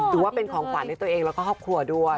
ถือว่าเป็นของขวัญให้ตัวเองแล้วก็ครอบครัวด้วย